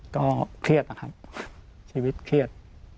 ก็เครียดนะครับชีวิตเครียด